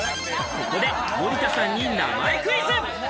ここで森田さんに名前クイズ！